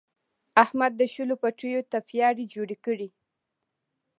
احمد د شولو پټیو تپیاري جوړې کړې.